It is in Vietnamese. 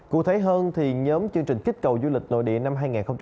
cụ thể hơn thì nhóm chương trình kích cầu du lịch nội địa năm hai nghìn hai mươi